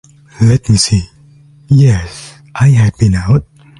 Let me see: yes, I had been out.